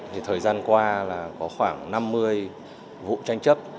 thì thời gian qua là có khoảng năm mươi vụ tranh chấp